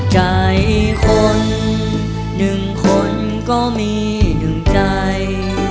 ใจคนหนึ่งคนก็มีหนึ่งใจ